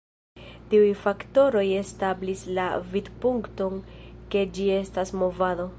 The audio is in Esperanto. Tiuj faktoroj establis la vidpunkton ke ĝi estas "movado".